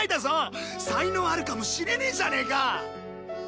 才能あるかもしれねえじゃねえか！